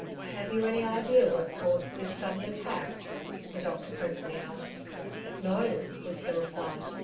''Have you any idea what caused this sudden attack ?^' the doctor presently asked. "Noj^' was the reply.